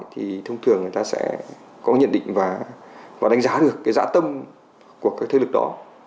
thì thông thường người ta sẽ có nhận định và đánh giá được cái dã tâm của các thế lực đó